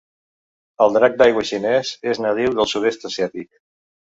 El drac d'aigua xinès és nadiu del sud-est asiàtic.